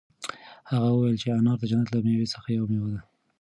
هغه وویل چې انار د جنت له مېوو څخه یوه مېوه ده.